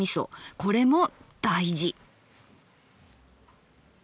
これも大事。